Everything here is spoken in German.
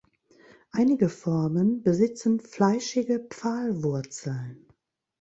Einige Formen besitzen fleischige Pfahlwurzeln.